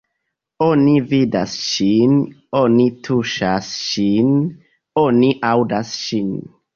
Oni vidas ŝin, oni tuŝas ŝin, oni aŭdas ŝin.